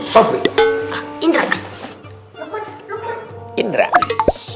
sabar duduk aja yang rapih